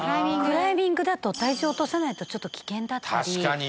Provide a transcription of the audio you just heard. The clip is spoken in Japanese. クライミングだと体重落とさないとちょっと危険だったり確かに！